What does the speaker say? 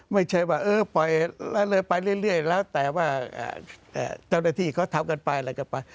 ไม่ใช่ว่าเออปล่อยไปเรื่อยแล้วแต่ว่าเจ้าหน้าที่เขาทำกันไปอะไรกันไป